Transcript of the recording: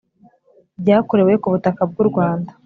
byakorewe ku butaka bw'u rwanda,